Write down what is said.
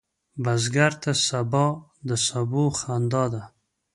بزګر ته سبا د سبو خندا ده